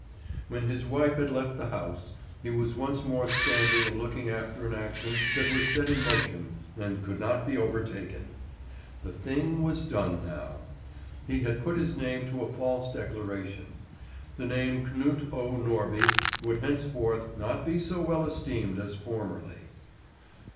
When his wife had left the house he was once more standing and looking after an action that was set in motion and could not be overtaken. The thing was done now; he had put his name to a false declaration. The name Knut O. Norby would henceforth not be so well esteemed as formerly.